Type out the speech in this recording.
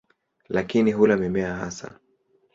Lakini hula mimea hasa.